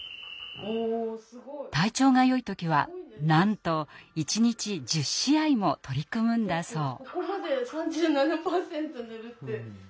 体調がよい時はなんと一日１０試合も取り組むんだそう。